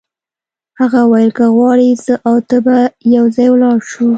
هغه وویل که غواړې زه او ته به یو ځای ولاړ شو.